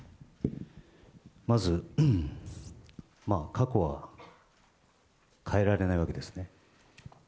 まず、過去は変えられないわけですね。